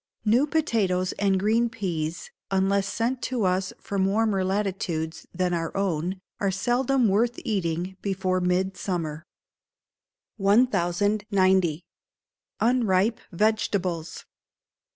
New Potatoes and green peas, unless sent to us from warmer latitudes than our own, are seldom worth eating before Midsummer. 1090. Unripe Vegetables.